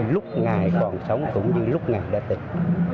lúc ngài còn sống cũng như lúc ngài đã tình